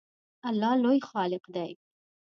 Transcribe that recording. الله لوی خالق دی